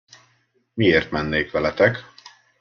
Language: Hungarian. Miért mennék veletek?